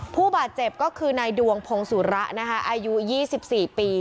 ผู้บาดเจ็บก็คือนายดวงพงศุระนะฮะอายุยี่สิบสี่ปี